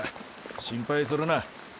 心配するな。